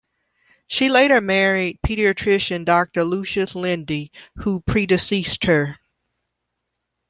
She later married pediatrician Doctor Lucius Lindley, who predeceased her.